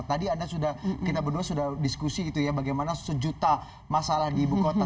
tadi kita berdua sudah diskusi itu ya bagaimana sejuta masalah di ibukota